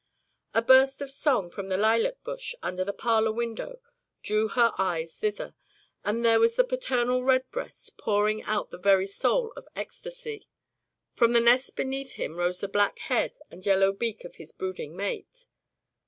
A burst of song from the lilac bush under the parlor window drew her eyes thither, and there was the paternal redbreast pouring out the very soul of ecstasy. From the nest beneath him rose the black head and yellow beak of his brooding mate.